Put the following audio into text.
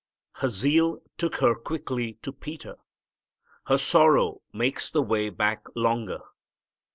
Her zeal took her quickly to Peter. Her sorrow makes the way back longer.